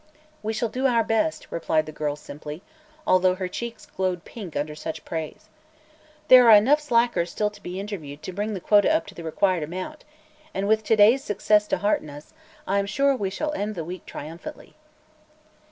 "We shall do our best," replied the girl, simply, although her cheeks glowed pink under such praise. "There are enough slackers still to be interviewed to bring the quota up to the required amount and with to day's success to hearten us, I am sure we shall end the week triumphantly."